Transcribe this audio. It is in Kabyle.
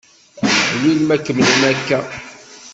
Aḥlil ma kemmlen akka!